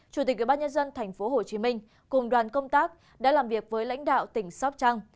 chủ tịch ủy ban nhân dân tp hcm cùng đoàn công tác đã làm việc với lãnh đạo tỉnh sóc trăng